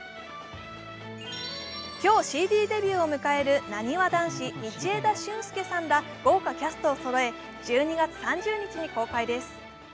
今日、ＣＤデビューを迎えるなにわ男子、道枝駿佑さんら豪華キャストをそろえ、１２月３０日に公開です。